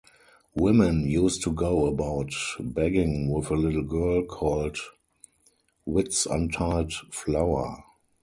Women used to go about begging with a little girl called Whitsuntide Flower.